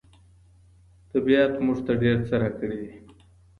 طبيعت موږ ته ډېر څه راکړي دي.